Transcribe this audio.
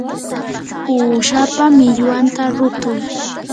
uushapa millwanta rutuy.